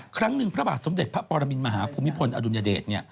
ครั้งหนึ่งพระบาทสมเด็จพระปรมินมหาภูมิพลอดุลยเดช